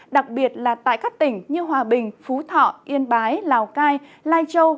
đặc biệt là tại các tỉnh như hòa bình phú thọ yên bái lào cai lai châu